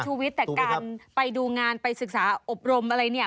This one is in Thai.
วิทย์แต่การไปดูงานไปศึกษาอบรมอะไรเนี่ย